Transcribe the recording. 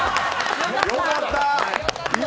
よかった！